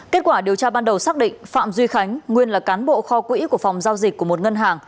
kết quả điều tra ban đầu xác định phạm duy khánh nguyên là cán bộ kho quỹ của phòng giao dịch của một ngân hàng